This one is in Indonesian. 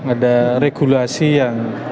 ada regulasi yang